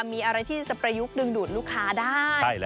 มีอะไรที่จะประยุกต์ดึงดูดลูกค้าได้